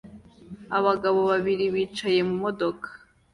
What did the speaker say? Abagabo babiri bicaye mu modoka